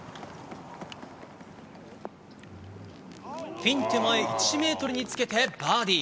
ピン手前１ｍにつけてバーディー。